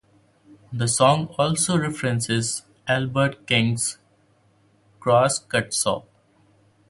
The song also references Albert King's "Cross-Cut Saw".